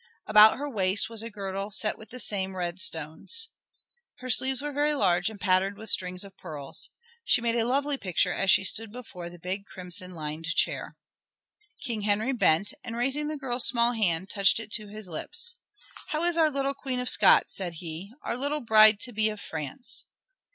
About her waist was a girdle set with the same red stones. Her sleeves were very large and patterned with strings of pearls. She made a lovely picture as she stood before the big crimson lined chair. King Henry bent, and raising the girl's small hand, touched it to his lips. "How is our little Queen of Scots?" said he. "Our little bride to be of France?"